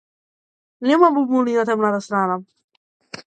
Нема бонбони на темната страна.